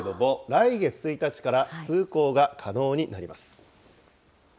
来月１日から通行が可能になります。